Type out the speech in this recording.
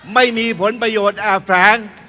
ไม่มีผลประโยชน์อาฟแฟรงค์